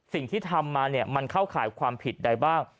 สิ่งที่ทำมาเนี่ยมันเข้าข่ายความผิดใดบ้าง